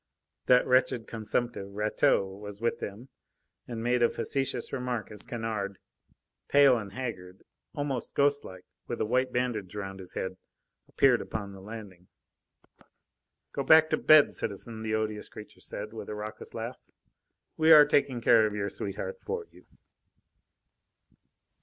That wretched consumptive, Rateau, was with them, and made a facetious remark as Kennard, pale and haggard, almost ghostlike, with a white bandage round his head, appeared upon the landing. "Go back to bed, citizen," the odious creature said, with a raucous laugh. "We are taking care of your sweetheart for you."